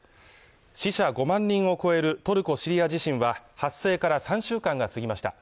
死者５万人を超えるトルコ・シリア地震は発生から３週間が過ぎました。